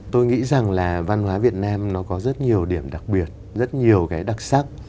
tôi nghĩ rằng là văn hóa việt nam nó có rất nhiều điểm đặc biệt rất nhiều cái đặc sắc